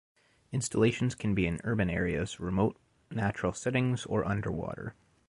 Installations can be in urban areas, remote natural settings, or underwater.